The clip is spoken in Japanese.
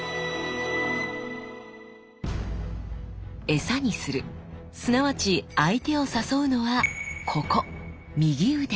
餌にするすなわち相手を誘うのはここ右腕！